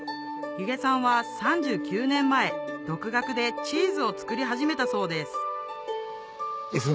弓削さんは３９年前独学でチーズを作り始めたそうです